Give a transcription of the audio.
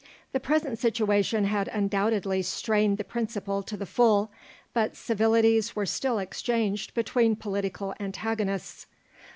The present situation had undoubtedly strained the principle to the full, but civilities were still exchanged between political antagonists.